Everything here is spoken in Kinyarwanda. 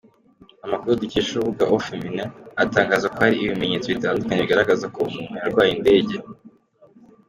Amakuru dukesha urubuga aufeminin, aratangaza ko hari ibimenyetso bitandukanye bigaragaza ko umuntu yarwaye indege.